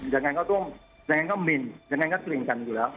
อย่างนั้นก็ต้องอย่างนั้นก็มินอย่างนั้นก็กลิ่นกันอยู่แล้ว